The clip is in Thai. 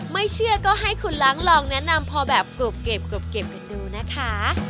ไม่เชื่อก็ให้คุณล้างลองแนะนำพอแบบกรุบเก็บกันดูนะคะ